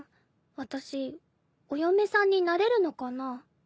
私お嫁さんになれるのかな？